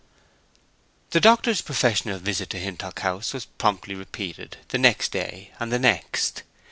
The doctor's professional visit to Hintock House was promptly repeated the next day and the next.